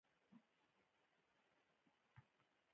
څنګه کولی شم د ماشومانو لپاره د ساینس تجربې وکړم